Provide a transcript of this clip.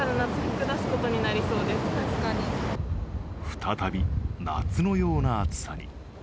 再び、夏のような暑さに。